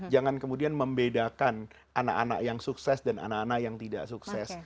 jangan kemudian membedakan anak anak yang sukses dan anak anak yang tidak sukses